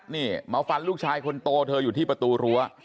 นี่มาฟันลูกชายคนโตเธออยู่ที่ประตูรั้ว